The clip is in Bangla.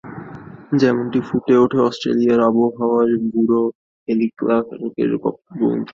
যেমনটি ফুটে ওঠে অস্ট্রেলিয়ার আবহাওয়া ব্যুরো হেরি ক্লার্কের বক্তব্যে।